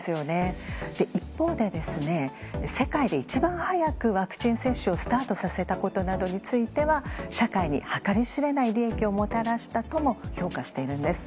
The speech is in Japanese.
一方で、世界で一番早くワクチン接種をスタートさせたことなどについては社会に計り知れない利益をもたらしたとも評価しているんです。